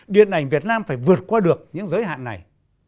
điện ảnh việt nam phải vượt qua được những giới hạn này